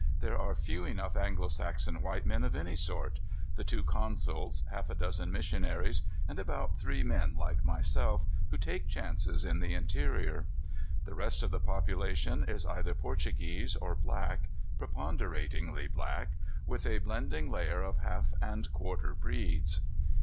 There are few enough Anglo Saxon white men of any sort the two consuls, half a dozen missionaries, and about three men like myself, who take chances in the interior. The rest of the population is either Portuguese or black, preponderatingly black, with a blending layer of half and quarter breeds.